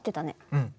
うん。